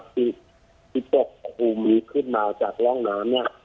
ที่ตกปูมีขึ้นมาจากล่องน้ำน้ำน้ำเก็บ